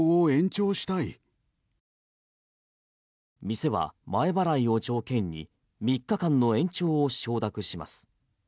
店は前払いを条件に３日間の延長を承諾します。